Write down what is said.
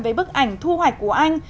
với bức ảnh thu hoạch của anh